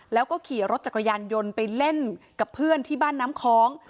แล้วก็ขี่รถจักรยานยนต์ไปเล่นกับเพื่อนที่บ้านน้ำคล้อง